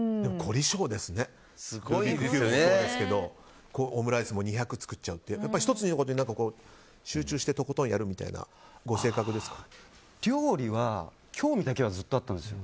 ルービックキューブもそうですけど、オムライスも２００作っちゃうって１つのことに集中してとことんやるみたいな料理は興味だけはずっとあったんですよ。